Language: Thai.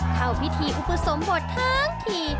เข้าพิธีอุปสมบททั้งที